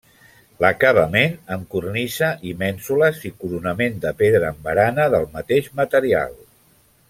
L'acabament amb cornisa i mènsules i coronament de pedra amb barana del mateix material.